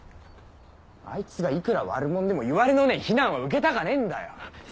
あいつがいくら悪者でもいわれのねえ非難は受けたかねえんだよ。